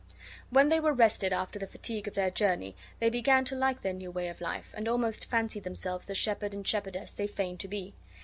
When they were rested after the fatigue of their journey, they began to like their new way of life, and almost fancied themselves the shepherd and shepherdess they feigned to be.